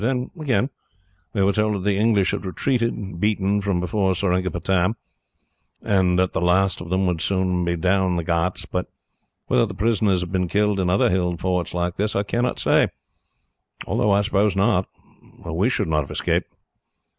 Then, again, we were told that the English had retreated, beaten, from before Seringapatam, and that the last of them would soon be down the ghauts. But whether the prisoners have been killed in other hill forts like this, I cannot say, although I suppose not, or we should not have escaped."